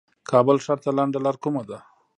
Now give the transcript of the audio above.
کابل ښار ته لنډه لار کومه ده